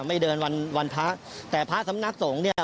ไม่เดินวันวันพระแต่พระสำนักสงฆ์เนี่ย